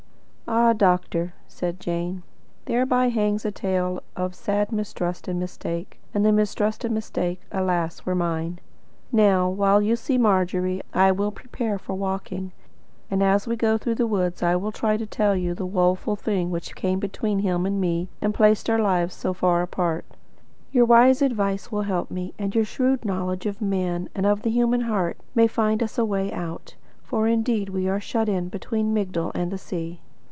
"Ah, doctor," said Jane, "thereby hangs a tale of sad mistrust and mistake, and the mistrust and mistake, alas, were mine. Now, while you see Margery, I will prepare for walking; and as we go through the wood I will try to tell you the woeful thing which came between him and me and placed our lives so far apart. Your wise advice will help me, and your shrewd knowledge of men and of the human heart may find us a way out, for indeed we are shut in between Migdol and the sea."